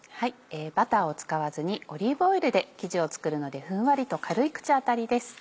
バターを使わずにオリーブオイルで生地を作るのでふんわりと軽い口当たりです。